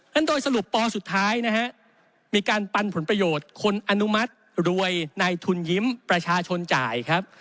โดยสรุปปสุดท้ายนะฮะมีการปันผลประโยชน์คนอนุมัติรวยในทุนยิ้มประชาชนจ่ายครับ